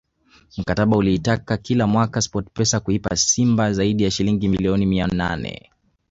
Mkataba uliitaka kila mwaka Sports pesa kuipatia Simba zaidi ya shilingi milioni mia nane